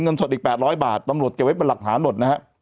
เงินสดอีกแปดร้อยบาทตำลดเกี่ยวไว้เป็นหลักหาหมดนะฮะ